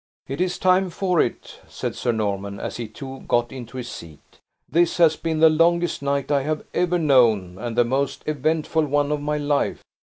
"It is time for it!" said Sir Norman, as he, too, got into his seat; "this has been the longest night I have ever known, and the most eventful one of my life."